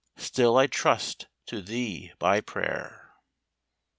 Still I trust to thee by prayer.